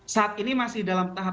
saat ini masih dalam tahap